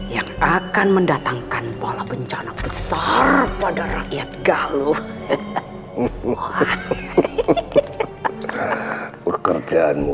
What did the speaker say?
yang akan mendatangkan bola bencana besar pada rakyat galu hehehe hehehe hehehe pekerjaanmu